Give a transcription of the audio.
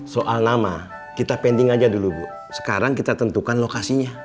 soal nama kita pending aja dulu bu sekarang kita tentukan lokasinya